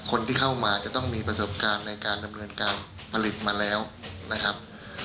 คนที่เข้ามาจะต้องมีประสบการณ์ในการดำเนินการผลิตมาแล้วนะครับ